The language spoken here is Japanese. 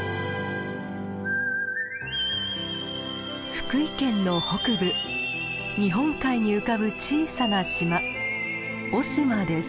福井県の北部日本海に浮かぶ小さな島雄島です。